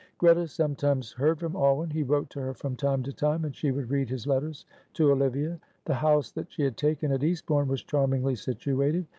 Greta sometimes heard from Alwyn. He wrote to her from time to time, and she would read his letters to Olivia. The house that she had taken at Eastbourne was charmingly situated.